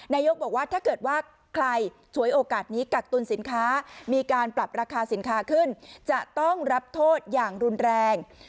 นายกบอกว่าถ้าเกิดว่าใครฉวยโอกาสนี้กักตุลสินค้ามีการปรับราคาสินค้าขึ้นจะต้องรับโทษอย่างรุนแรง